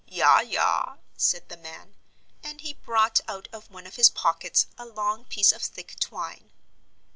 "Yah, yah," said the man, and he brought out of one of his pockets a long piece of thick twine.